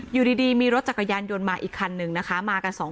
อยู่ดีมีรถจักรยานยนต์มาอีกคันนึงนะคะมากันสองคน